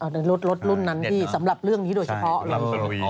ในรถรุ่นนั้นพี่สำหรับเรื่องนี้โดยเฉพาะเลย